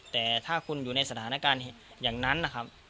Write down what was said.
แต่ถ้าคุณอยู่ในสถานการณ์อย่างนั้นนะครับ